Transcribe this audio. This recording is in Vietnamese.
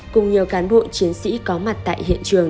cùng nhiều cán bộ chiến sĩ có mặt tại hiện trường